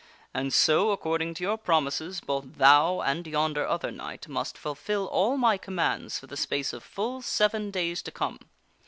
And so,, according to your promises, both thou and yonder other knight must fulfil all my commands for the space of full seven days to come.